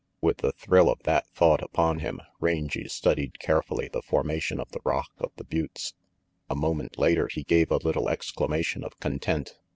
With the thrill of that thought upon him, Rangy studied carefully the formation of the rock of the buttes. A moment later he gave a little exclamation of content.